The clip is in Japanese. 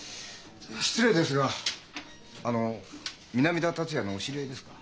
失礼ですがあの南田達也のお知り合いですか？